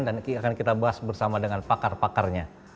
dan akan kita bahas bersama dengan pakar pakarnya